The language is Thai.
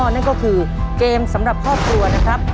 นั่นก็คือเกมสำหรับครอบครัวนะครับ